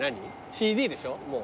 ＣＤでしょもう。